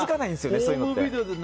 そういうのって。